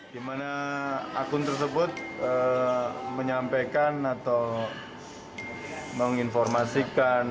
dimana akun tersebut menyampaikan atau menginformasikan